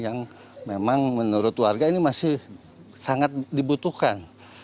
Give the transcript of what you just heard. yang memang menurut warga ini masih sangat dibutuhkan